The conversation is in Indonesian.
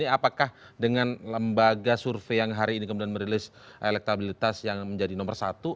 apakah dengan lembaga survei yang hari ini kemudian merilis elektabilitas yang menjadi nomor satu